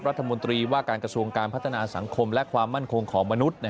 รัฐมนตรีว่าการกระทรวงการพัฒนาสังคมและความมั่นคงของมนุษย์